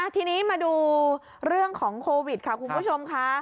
ทีนี้มาดูเรื่องของโควิดค่ะคุณผู้ชมค่ะ